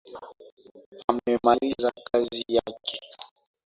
Amemaliza kazi yake